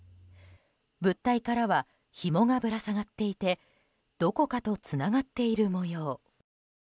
物体からはひもがぶら下がっていてどこかと、つながっている模様。